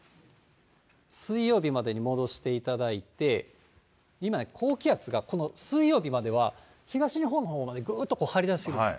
水曜日までに戻していただいて、今ね、高気圧がこの水曜日までは、東日本のほうまでぐーっとこう張り出してるんです。